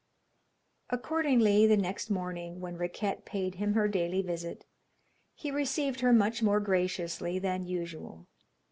Accordingly the next morning, when Riquette paid him her daily visit, he received her much more graciously than usual.